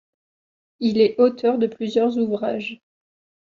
Il est auteur de plusieurs ouvrages.